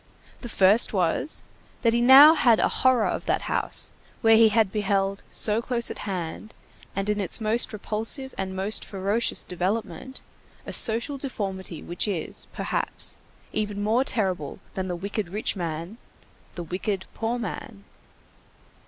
The first was, that he now had a horror of that house, where he had beheld, so close at hand, and in its most repulsive and most ferocious development, a social deformity which is, perhaps, even more terrible than the wicked rich man, the wicked poor man.